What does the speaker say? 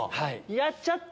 やっちゃった。